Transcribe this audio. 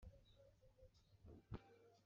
Yuba isett kan igumma.